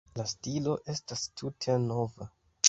La stilo estas tute nova.